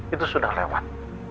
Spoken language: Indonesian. itu sudah lewat